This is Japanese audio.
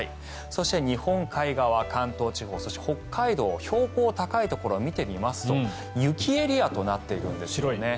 そして、日本海側関東地方そして北海道標高が高いところを見てみますと雪エリアとなっているんですよね。